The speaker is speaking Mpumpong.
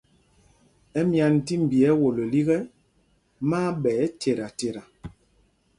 Ɛmyán tí mbi ɛ́wolo lîk ɛ, má á ɓɛ ɛ́cetaceta.